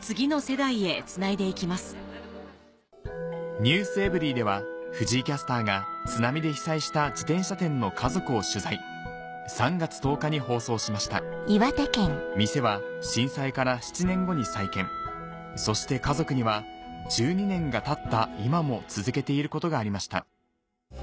『ｎｅｗｓｅｖｅｒｙ．』では藤井キャスターが津波で被災した自転車店の家族を取材３月１０日に放送しました店は震災から７年後に再建そして家族には１２年がたった今も続けていることがありました